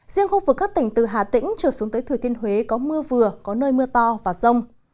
riêng khu vực các tỉnh từ hà tĩnh trở xuống tới thừa thiên huế có mưa vừa có nơi mưa to và rông